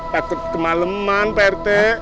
takut kemaleman pak rata